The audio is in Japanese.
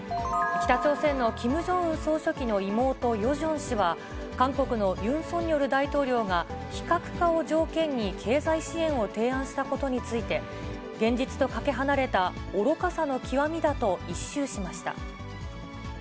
北朝鮮のキム・ジョンウン総書記の妹、ヨジョン氏は、韓国のユン・ソンニョル大統領が、非核化を条件に経済支援を提案したことについて、現実とかけ離れた愚かさの極みだと一蹴しました。